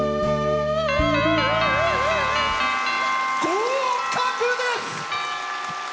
合格です！